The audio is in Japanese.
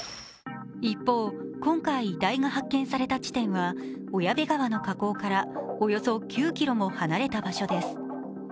一方、今回、遺体が発見された地点は小矢部川の河口からおよそ９ｋｍも離れた場所です。